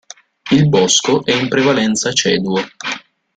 Il bosco è in prevalenza ceduo.